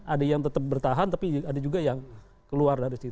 ada yang tetap bertahan tapi ada juga yang keluar dari situ